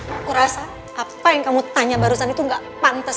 aku rasa apa yang kamu tanya barusan itu gak pantas